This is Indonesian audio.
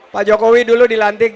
pak jokowi dulu dilantikkan